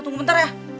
tunggu bentar ya